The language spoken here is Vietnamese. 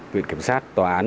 tuyệt kiểm sát tòa án